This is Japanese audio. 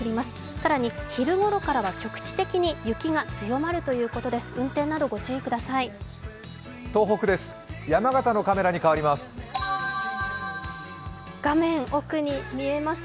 更に昼ごろからは局地的に雪が強まるということです。